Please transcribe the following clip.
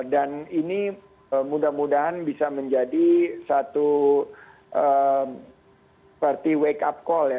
dan ini mudah mudahan bisa menjadi satu wake up call